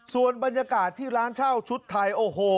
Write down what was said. ส่วนบรรยากาศที่ร้านเช่าชุดไทยโอ้โห